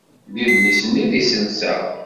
D idlisen i d iselsa.